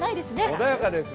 穏やかですね